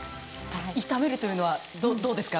炒めるのはどうですか。